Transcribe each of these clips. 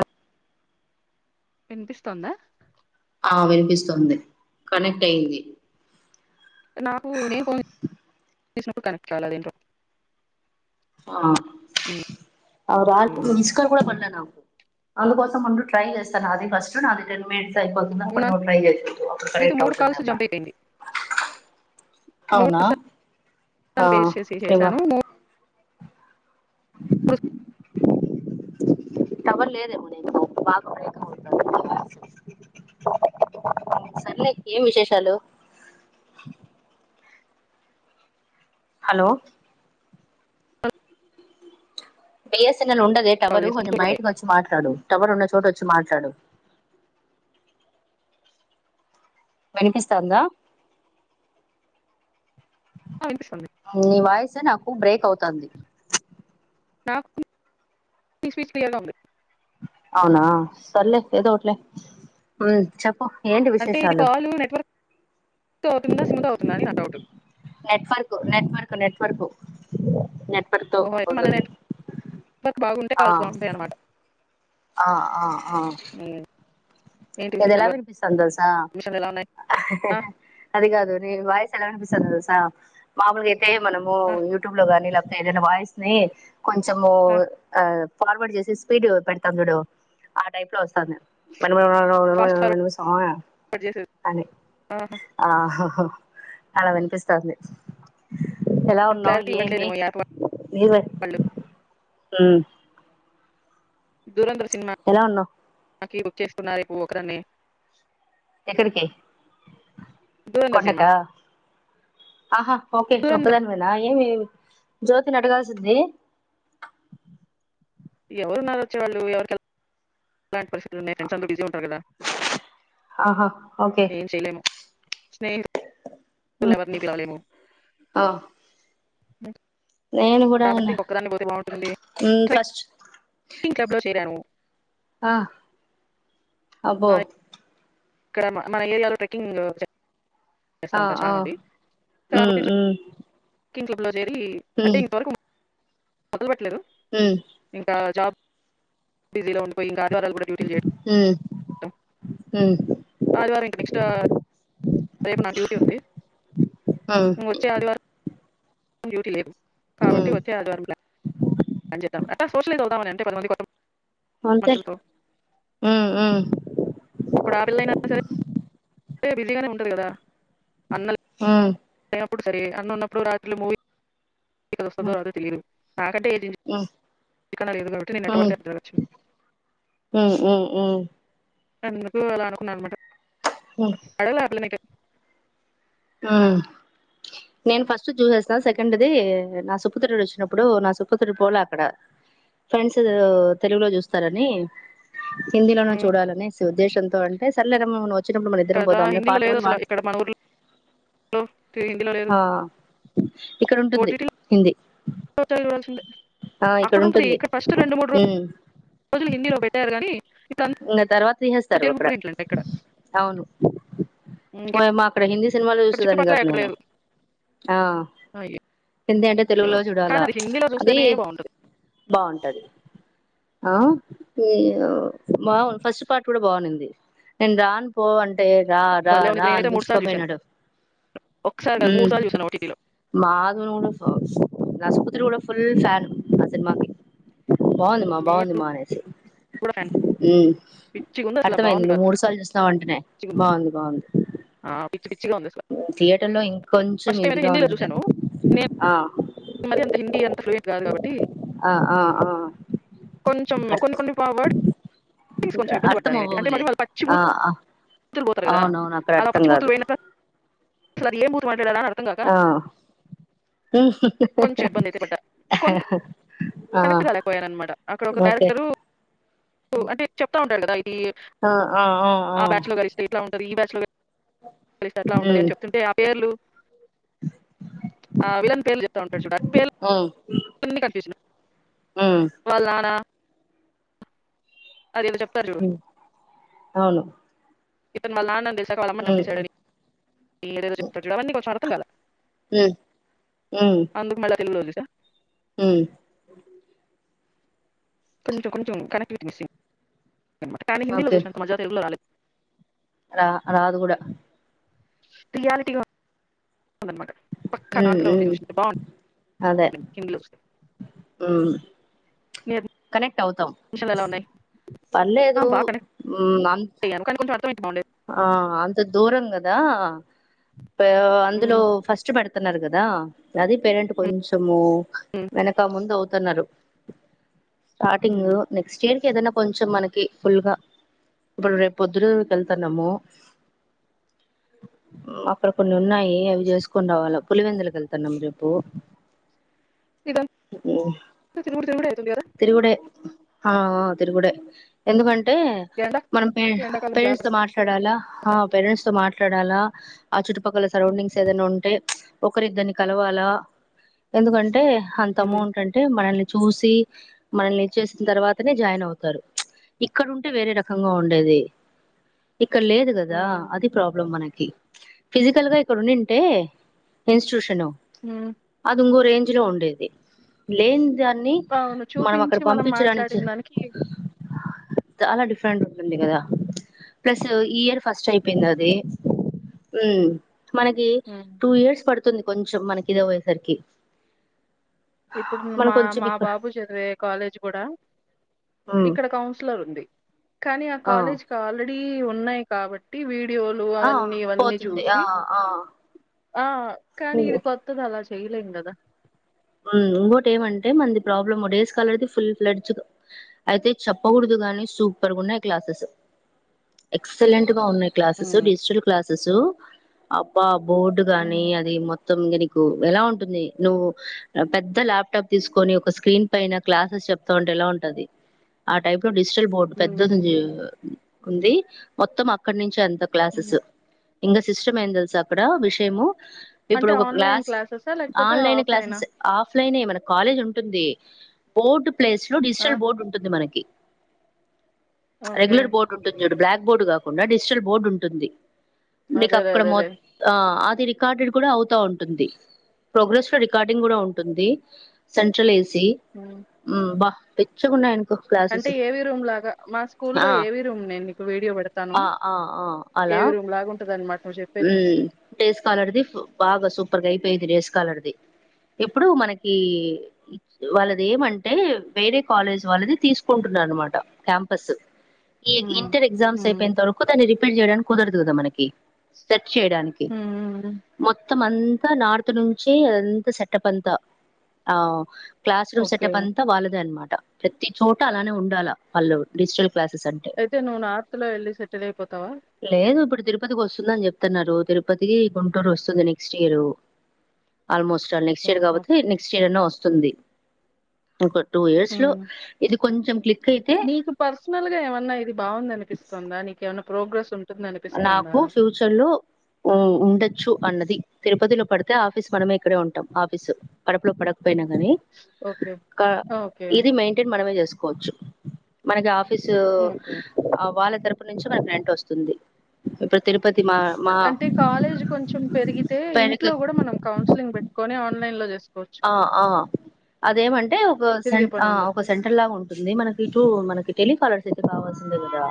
అర్ వినిపిస్తోందా ఆ వినిపిస్తుంది కనెక్ట్ అయ్యింది నాకు నే ఫోన్ చేసినప్పుడు కనెక్ట్ కాల అదేంటో [unintelligible] ఔ రాసాముందు ట్రై చేస్తాను అది ఫస్ట్ నాది టెన్ మిట్స్ అయిపోతుంద అప్పుడు నువ్ ట్రై చేసేయ్ అప్పుడు నాదైతే కరెక్ట్ మూడు అవుతుంది కాల్స్ అమ్మ జంప్ అయిపోయింది అవునా మూడు అ సార్లు పేస్ట్ చేసి ఇగో చేశాను మూడు టవర్ లేదేమో లే [inaudible] సర్లే ఏం విశేషాలు హలో బేస్ చిన్న ఉండేదే కాల్ టవరు కొెంచం చేసినప్పుడు పడ్డాయి బయటకు వచ్చి మాట్లాడు టవర్ ఉన్న చోట వచ్చి మాట్లాడు వినిపిస్తోందా ఆ వినిపిస్తుంది నివాయిస్ నాకు బ్రేక్ అవు తంది నాకు ఈ స్వీట్ తియ్యగా ఉంది అవునా సర్లే ఏదో ఓట్లే అంటే ఇది విశేషాలు కాల్ నెట్వర్క్ అవుతుందా స్మూత్ అవుతుందా అని నా డౌట్ నెట్వర్క్ నెట్వర్క్ నెట్వర్క్ నే [inaudible] ఆ అనమాట ఆ ఆ ఆ ఏంటి ఇది ఎలా విశేషాలు వినిపిస్తుంది తెల్సా మిషన్లు ఎలా ఉన్నాయి ఆ, అది కాదు నీ వాయిస్ ఎలా వినిపిస్తుంది తెల్సా మామలుగ అయితే మనము ఆ, యూట్యూబ్ లో వన్నిలా ఏదని వాయిస్ నీ కొంచము ఆ ఫార్వర్డ్ చేసి స్పీడ్ పెడతాం చూడు ఆ టైప్ లో వస్తంది మన అ ఫాస్ట్ ఫార్వర్డ్ ఆ సా చేసేది అని ఆహా, అ అలా వినిపిస్తోంది ఎలా ఉన్నావ్ క్లారిటీ ఏమి ఇవ్వట్లేదేమో ఈ యాప్ యువర్ వాళ్ళు ఉం దురందర్ సినిమా ఎలా ఉన్నావు నాకి బుక్ చేసుకున్నా అయిపోవ్ ఒకన్ని ఎక్కడికి దూరంధర్ సినిమా కొండకా ఆహా ఓకే దూరంధర్ ఒకదానివేనా ఏమి ఏ మీ జ్యోతి ని ఎట కాల్స్ద్ది ఎవరున్నారు వచ్చే వాళ్ళు ఎవరికి [inaudible] ఆహా ఓకే స్నే లవర్లి కలేము ఆ [unintelligible] నేను కూడా కాబట్టి అన్న ఇంకొక్కదాన్ని పోతే బాగుంటుంది మ్మ్ ట్రెక్ ఫస్ట్ ట్రెక్కి క్లబ్ లో చేరాను ఆ ఆ, అబ్బో ఇక్కడ మా మన ఏరియాలో ట్రెక్కింగ్ చే ఆ ఆ ఉ ఉ [unintelligible] తిరిగి అంటే ఇతురకమా చదవట్లేదు మ్మ్ ఇంకా జాబ్ బిజీలో ఉండిపోయి ఇంకా ఆది వారాలు కూడా డ్యూటిల్ చేయంటం మ్మ్ టం మ్మ్ ఆదివారం ఇంకా నెక్స్ట్ రేపు నా డ్యూటీ ఉంది మ్మ్ ఉమ్ మ్మ్ వచ్చే ఆదివారం డ్యూటీ లేదు కాబట్టి మ్మ్ వచ్చే ఆదివారం ప్లాన్ ప్లాన్ చేద్దాం అంటే సోషల్ [inaudible] కొంతమంది కోసం అంతే ఉ ఉ అంటే బిజిగానే ఉండదు కదా అన్నలే ఆ ప్పుడు సరే అన్న ఉన్నప్పుడు రాత్రిలు మూవీ ఇది వస్తాదో మ్మ్ రాదో తెలిదు నాకంటే ఏది మ్మ్ లేదు [inaudible] కాబట్టి నేను మ్మ్ ఎట్వడితే తిరగొచ్చు మ్మ్ మ్మ్ అందుకు అలా అనుకున్న అన్నమాట మ్మ్ అడగల ఆ పిల్లనైతే ఉమ్ నేను ఫస్ట్ చూసేస్త. సెకండ్ది నా సుపుత్రుడు వచ్చినప్పుడు, నా సుపుత్రుడు పోలే అక్కడ ఫ్రెండ్స్ తెలుగులో చూస్తారని హిందీలోన "ఉమ్, చూడాలనేసి ఉద్దేశంతో అంటే సరేలే రమ్మన్ చిన్నప్పుడు మన ఇద్దరం కదా పొదంలే హిందీలో పార్ట్ లేదు వన్ అసలు పార్ట్ ఇక్కడ మన ఊర్లో తి- హిందీలో లేదు ఆ ఇక్కడ ఉంటుంది ఓటీటీలో హిందీ [inaudible] చూడాల్సిందే అక్కడ ఉంటుంది ఇక్కడ ఫస్ట్ రెండు మూడు రో రోజులు హిందీలో పెట్టారు కానీ ఇంకా తర్వాత తీసేస్తారు తెలుగు అక్కడ. ప్రింట్లు అంట ఇక్కడ అవును ఇంకెక్కడ ఓయమ్మ అక్కడ హిందీ సినిమాలు చూస్తుదని చుట్టుపక్కల కదా ఎక్కడ నేను లేదు ఆ అయ్యో ఎంది అంటే తెలుగులో కానీ చూడాలా అది హిందీలో అది చూస్తేనే బాగుంటుంది బాగుంటది ఆహ్ నేను. బావుంద్, ఫస్ట్ పార్ట్ కూడా బాఉనింది. నేను రాను పో అంటే. అంటే రా రా భలే ఉంది రా అని నేనైతే మూడు సార్లు చూశాను గుంజుకుపోయినాడు. ఒకసారి కాదు మూడు హ్మ్, సార్లు చూశాను ఓటీటీలో [unintelligible] మదలుండొచ్చు. నా సుపుత్రుడు, కూడా ఫుల్ ఫ్యాన్ ఆ సినిమాకి. బావుంది మా, బావుంది నేను మా అనేసి. కూడా ఫ్యాన్ ఉమ్హ్, పిచ్చిగా ఉంది అసలు అర్థమయ్యింది. బాగుంది కాదు నువ్వు మూడు సార్లు చూస్తావ్ అంటనే. ఆ పిచ్చి పిచ్చిగా ఉంది అసలు థియేటర్ లో ఇంకొంచెం ఫస్ట్ టైం ఇదిగా ఉంది ఆ మరి అంత హిందీ అంతా ఫ్లూయెంట్ రాదు కాబట్ టి ఆ ఆ ఆ కొంచం కొన్ని కొన్ని పావడ్ [unintelligible] అంటే గా, అర్థం అవవులే. ఆ హా! బూతులు పోతారు కదా! అవునవును, అక్కడ అర్థం కాదు? అసలే ఏం, బూతు వడ. అలా ఎలా అని అర్థం కాక, ఆ కొంచెం ఇబ్బంది అయితే పడ్డా. కొంత, ఆ కనెక్ట్ కలెక్టర్ పోయాను అనమాట. అక్కడ ఒక ఓకే క్యారెక్టర్ అంటే చెప్తా ఉంటరు కదా. ఇది ఆ ఆ ఆ. ఆ బ్యాచ్‌లో, గాలిస్తే ఇట్లా ఉన్. ఉంటది, ఈ బ్యాచ్ లో. కలిస్తే ఎట్లా ఉంటది ఉమ్ చెప్తుంటే, ఆ పేర్లు, ఆ విలన్ పేర్లు చెప్తా ఉంటడు చూడు. ఆ పేర్లు ఉమ్ అని కన్ఫ్యూజన్. ఉమ్ వాళ్ల నాన్న. అది ఏదో చెప్తరు చూడు. ఉమ్ అవును ఈతను, వాళ్ల నాన్న అని ఉమ్ తెల్స్. [unintelligible] [unintelligible] హు ఉ మళ్ళా తెలుగులో చూసా. అ కొన్నించ కొ చ కపిటిసి కానీ ఓకే హిీలోదుూ మా మ ఎాల రా రాదు కూడా రియాలిటీ మ పక్కా నా ఉమ్ తలా ఉమ్ చూషబా [unintelligible] ఆ కనెక్ట్ మషన్లు ఎలా ఉన్నాయి ఆ! పల్లేదు బా కనెక్ట్ నన్ అయ్యాను. కానీ కొంచెం అర్థమైతే బావుండేది. ఆ అంత దూరంగా అద దా అందులో హ్మ్. ఫస్ట్ పడుత పత్తనడుకుదా అది పేరట్ హ్మ్. కొంచము హ్మ్. వెనాక ముందు స్తూన్నారు స్టార్టింగ్ హ్మ్. నెక్స్ట్ ఇయర్ ఏదైనా కొంచెం మనకి ఫుల్ గా ఇప్పుడు రేపు పొద్దు న్నాము అక్కడ కొన్ని ఉన్నాయి అవి చేసుకుని రావాల పులివెందులక వెళ్తున్నాము రేపు ఇదంతా తిరుగుడు తిరుగుడే అయితుంది గదా! తిరుగూడే ఆ తిరుగూడ ఎందుకంట హ్మ్ ఎండ మనం ఎండాకాలం పే చేస్తే జాగ్రత్త. మాట్లాడాలా పేరంట్స్ మాట్లా చడాల ఆ చుట్టుపక్కల సరౌండింగ్స్ ఏదైనా ఉంటే ఒకరిద్దర్ని కలవాలా ఎందుకంటే. అంత హ్మ్. అమౌంట్, అంటే మనల్ని. చూసి మనల్ని ఈజేసిన తర్వాతే జాయిన్ అవ్తారు. ఇక్కడ ఉంటే వేరే రకంగా ఉండేది. ఇక్కడ లేదు కదా? హ్మ్. అది ప్రాబ్లమ్ మనకి. కి, ఫిజికల్ గా ఇక్కడ ఉందింటే, ఇన్‌స్టిట్యూషన్ ను హ్మ్. అది ఇంకో రేంజ్. మజిలో ఉండేది లెండే ఆ. అవును, చూపించి మనం మాట్లాడిన్ దానికి. చాలా డిఫరెంట్ ఉంటుంది కదా ప్లస్ ఇయర్ ఫస్ట్ అయిపోయింది అది అ మనకి హ్మ్. టూ ఇయర్స్ పడుతుంది అవుతుంది కొంచెం మనకి కింద పోయేసరికి ఇప్పుడు మా మా బాబు చదివే కాలేజ్ కూడా ఉమ్ ఇక్కడ కౌన్సిలర్ ఉంది. కానీ, ఆ కాలేజ్ క ఆల్రెడీ ఉన్. ఉన్నాయి కాబట్టి వీడ. మేవోలు ఆ అవన్నీ ఇవన్నీ పోతుంది ఆ జూసి, ఆ ఆ కానీ ఉమ్ ఇది కొత్తది అలా. చేయలేం కదా? ఉమ్మ్, ఇంకోటి ఏమంటే మాది ప్రాబ్లమ్ డేస్ స్కాలర్‌ది ఫుల్ ఫ్లెడ్జ్‌గా అయితే చెప్పకూడదు గానీ సూపర్‌గా ఉన్నాయి క్లాసెస్ ఎక్సలెంట్. గా ఉన్నాయి క్లాసెస్ ఉమ్ డిజిటల్ క్లాసెస్ అబ్బా బోర్డు గాని ఉమ్ అది మొత్తం దనికి ఎలా ఉంటుంది నువ్వు పెద్ద ల్యాప్టాప్ తీసుకొని ఒక స్క్రీన్ పైన క్లాసెస్ చెప్తా ఉంటే ఎలా ఉంటది ఆ టైప్ లో కుశల్ బోర్డు పెద్ద ఉహు ఉంది. మొత్తం అక్కడి నుంచి ఎంత ఉమ్ క్లాసేస్ ఇంగ సిస్టం ఏయిందల్ తెలుసా అక్కడ విషయము ఇప్పుడు అంటే ఒక ఆన్లైన్ క్లాస్ క్లాసెసా లేకపోతే ఆఫ్లైనా అస్సలు ఏ మైనా కాలేజ్ ఉంటుంది. బోర్డు ప్లేస్ లో ఆ డిజిటల్ బోర్డు ఉంటుంది. మనకి ఓకే రెగ్యులర్ బోర్డు ఉంటుంది చూడు బ్లాక్ బోర్డు కాకుండా డిజిటల్ బోర్డు ఉంటుంది నీకు అదేలే అక్కడ అదేలే మొత్త ఆ రికార్డెడ్ కూడా అవుతా ఉంటుంది ప్రోగ్రెస్ లో రికార్ ఉంటుంది సెంట్రల్ సి ఉమ్ బ పిచాగుండ అంటే క్లాసెస్ ఏవి రూమ్ లాగా మా స్కూల్లో ఆ ఏవి రూమ్ నేను నీకు వీడియో పెడతాను ఆ ఆ అలా ఏవి రూమ్ లాగా ఉంటది అనమాట నువ్వు చెప్పేది చూస్తే డేస్ కలర్ది బాగా సూపర్గా అయిపోయిది డేస్ కలర్ది ఎప్పుడు మనకి ఇ వాళ్ళ అదేమంటే వేరే కాలేజ్ వాళ్ళది తీసుకుంటున్ననమాట క్యాంపస్ ఈ ఉమ్ ఇంటర్ ఎగ్జామ్స్ ఉమ్ అయిపోయింత వరకు దాన్ని రి పెళ్ళి చెయ్యడానికి కుదరదు కదా మనకి చేయడానికి ఉమ్ మొత్తం మొత్తం అంతా నార్త్ నుంచి అదంత సెట్ ట్టపంత ఆ క్లాస్ రూమ్ ఓకే సెటప్ అంత వాళ్ళదే అనమాట ప్రతి చోట అలానే ఉండాలా వాళ్ళు డిజిటల్ క్లాసెస్ అంటే అయితే నువ్వు నార్త్ లో వెళ్ళి సెటిల్ అయిపోతావా లేదు ఇప్పుడు తిరుపతికి వస్తుందని చెప్తున్నారు తిరుపతికి గుంటూరు వస్తుంది next year almost next year ఆహా కాబతే నెస్ట్ ఇర్ అనాస్త వస్తుంది ఇంకోట్ టూ ఇయర్స్ లో ఉమ్ ఇది కొంచెం క్లి నీకు పర్సనల్ గా ఏమన్నా ఇది బాగుంద అనిపిస్తుందా నీకేమన్నా ప్రోగ్రెస్ంట నాకు ఫ్యూచర్ లో ఉ ఉండొచ్చు అన్నది తిరుపతిలో పడితే ఆఫీస్ మనమే ఇక్కడే ఉంటాం ఆఫీసు పడపలో పడకు పోయినా కానీ ఓకే ఓకే ఇది క మెయింటైన్ మనమే చేసుకోవచ్చు మన జాబ్ ఫీసు ఓకే. ఆ వాళ్ళ తరూప్ అప్పటి నుంచి మనకి రెంట్ వస్తుంది ఇప్పుడు తిరుపతి మా మా అంటే కాలేజ్ కొంచెం పెరిగితే పెనక ఇంట్లో కూడా మనం కౌన్సిలింగ్ పెట్టుకొని ఆన్లై లో చేస్ ఆ ఆ అదేమంటే ఒక సె తిరిగే ఆ పనుండదు. ఒక సెంటర్ లాగా ఉంటుంది మనకి ఇటు మనకి టెలికాలర్స్ అయితే కావాల్సిందిే కదా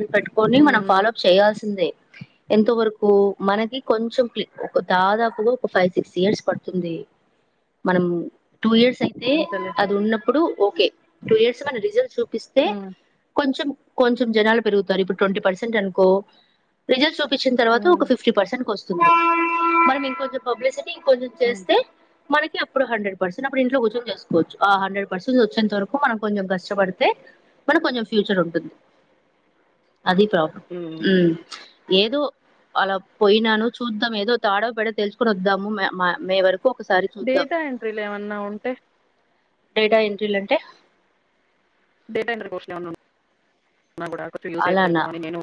ని పెట్టుకొని హ్మ్. మనం హ్మ్. ఫాలో అప్ చేయాల్సిందే ఎంత వరకు మనకి కొంచెం ఒక దాదాపుగా ఒక ఫైవ్ సిక్స్ ఇయర్స్ పడుతుంది మనం టూ ఇయర్స్ అయితే అంతేలే. అది ఉన్నప్పుడు ఓకే టూ ఇయర్స్ మ రిజల్ట్ూ పిస్తే హ్మ్. కొంచెం కొంచెం జనాలు పెరుగుతారు ఇప్పుడు ట్వంటీ పర్సెంట్ అనుకో రిజల్ట్స్ వచ్చిన్ తర్వాత ఒక హ్మ్. ఫిఫ్టి పర్సెంట్ కి వస్త మరి మేమ్ కొంచం పబ్లిసిటీ కొంచెం హ్మ్. చేస్తే మనకి అప్పుడు హండ్రెడ్ పర్సెంట్ అప్పుడు ఇంట్లో కూర్చోని చేసుకోవచ్చు ఆ హండ్రెడ్ పర్సెంట్ వచ్చేంత వరకు మనం కొంచెం కష్టపడితే మనం కొంచెం ఫ్యూచర్ ఉంటుంది అది ప్రాబ్లమ్ హ్మ్. ఏదో అలా పోయినాను చూద్దాం ఏదో తాడో పెడ తెలుసుకొని వద్దాము మే వరకు ఒకసారి చూద్దాం డేటా ఎంట్రీలు ఏమన్నా ఉంటే డేడా ఎంట్రీలు అంటే డేటా ఎంటర్ పొజీషన్ ఏమన్న ఉంద్ నా కూడా అక్క చూసేస్తేమో అలానా అని నేను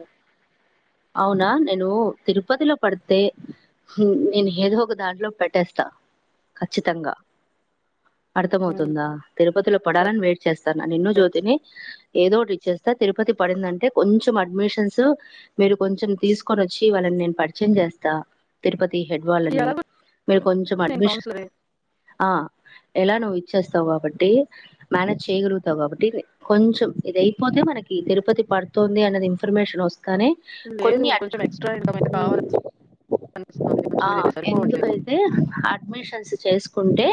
అవునా నేను తిరుపతిలో పడితే నేను ఏదో ఒక దాంట్లో పెట్టేస్తా ఖచ్చితంగా అర్థ హ్మ్. అవుతుంద తిరుపతిలో పడాలని వెయిట్ చేస్తాను నిన్ను జ్యోతిని ఏదోకటి ఇచ్చేస్తా తిరుపతి పడింద అంటే కొంచెం అడ్మిషన్స్ మీరు కొంచెం తీసుకొని వచ్చి వాళ్ళని నేను పరిచయం చేస్తా తిరుపతి టి హెడ్ వాళ్ళని ఎలాగో మీరు కొంచెం నేను అడ్మిషన్ కౌన్సిలరే. ఆ ఎలా నువ్వు ఇచ్చేస్తావు కాబట్టి మ్యానేజ్ చేయగలుగుతావు కాబట్టి కొంచెం ఇదయిపోతే మనకి తిరుపతి పాడు తుంది అన్నది ఇన్ఫర్మేషన్ వస్తుంది కానీ లేదు కొన్ని అ కొంచెం ఎక్స్‌ట్రా ఇన్‌కమ్ అయితే కావాలనిపిస్తోంది. కొంచెం ఆ ఇదైతే సరిపోవట్లేదు. ఎందుకంటె అడ్మిషన్స్ చేసుకుంటే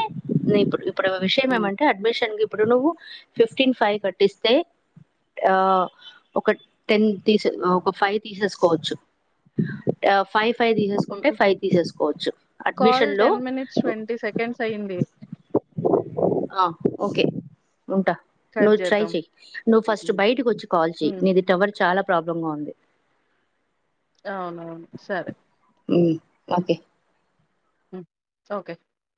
ఇప్పుడు ఇప్పుడు విషయం హ్మ్. ఏమంటే అడ్మిషన్ కి ఇప్పుడు నువ్వు ఫిఫ్టీన్ ఫైవ్ కట్టిసై ఆ ఒక టెన్ తీస ఒక ఫైవ్ తీసేసుకోవచ్చు ఫైవ్ ఫైవ్ తీసేసుకుంటే హ్మ్. ఫైవ్ తీసేసుకోవచ్చు కాల్ అడ్మిషన్ లో మినిట్స్ సెకండ్స్ అయింది. ఓకె ఉంట కట్ నువ్వు ట్రై జేద్దాం. చెయి నువ్వు ఫస్ట్ హ్మ్. బయటకి వచ్చి కాల్ చెయి హ్మ్. నీది టవల్ చాలా ప్రాబ్లంగా ఉంది అవునవును సరె ఉమ్ ఒకే ఓకె